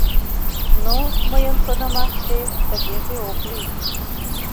Но, мыйын шонымаште, тыгеже ок лий.